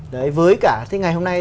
đấy với cả thế ngày hôm nay